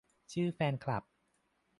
ชื่อแฟนคลับ